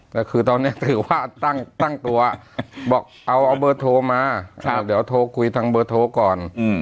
แต่คือตอนนี้ถือว่าตั้งตัวบอกเอาเบอร์โทรมาเดี๋ยวโทรคุยทางเบอร์โทรก่อน